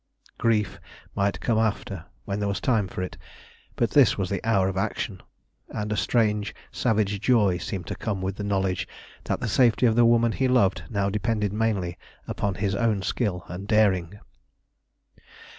Grief might come after, when there was time for it; but this was the hour of action, and a strange savage joy seemed to come with the knowledge that the safety of the woman he loved now depended mainly upon his own skill and daring.